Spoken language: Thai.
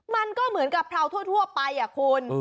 มันก็เหมือนกะเพราทั่วไปคุณ